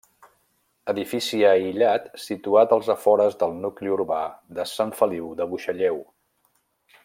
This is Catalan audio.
Edifici aïllat situat als afores del nucli urbà de Sant Feliu de Buixalleu.